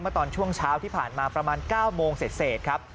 เมื่อตอนช่วงเช้าที่ผ่านมาประมาณ๙โมงเศษครับ